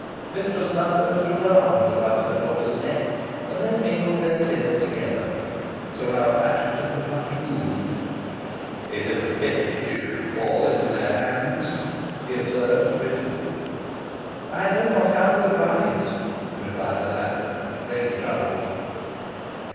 Mistress Nutter threw her arms about her daughter's neck, and they mingled their tears together, Sir Ralph Assheton was much moved. "It is a pity she should fall into their hands," he observed to Richard. "I know not how to advise," replied the latter, greatly troubled.